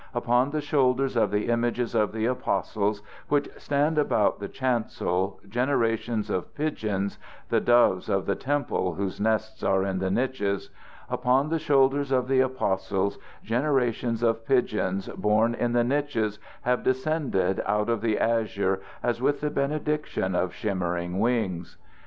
Upon the shoulders of the images of the Apostles, which stand about the chancel, generations of pigeons the doves of the temple whose nests are in the niches upon the shoulders of the Apostles generations of pigeons born in the niches have descended out of the azure as with the benediction of shimmering wings.